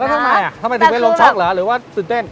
ทำไมทำไมถึงไม่ลงช็อกเหรอหรือว่าตื่นเต้น